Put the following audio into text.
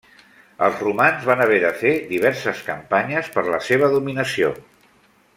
Els romans van haver de fer diverses campanyes per la seva dominació.